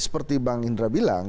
seperti bang indra bilang